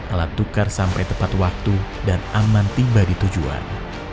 alat tukar sampai tepat waktu dan aman tiba di tujuan